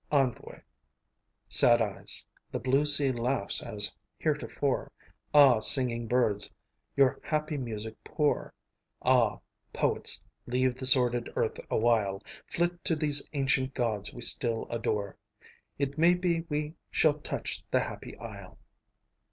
ENVOI Sad eyes! the blue sea laughs as heretofore. Ah, singing birds, your happy music pour; Ah, poets, leave the sordid earth awhile; Flit to these ancient gods we still adore: "It may be we shall touch the happy isle."